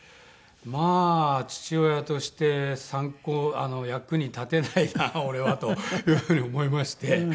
まあ父親として参考役に立てないな俺はという風に思いまして。